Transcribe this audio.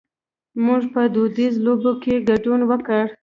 مونږ په دودیزو لوبو کې ګډون وکړ.